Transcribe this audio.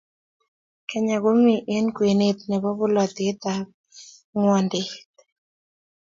Kenya komi eng kwenet nebo polatet ab ngwaidet